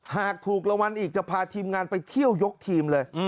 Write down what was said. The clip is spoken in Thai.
หากถูกรางวัลอีกจะพาทีมงานไปเที่ยวยกทีมเลย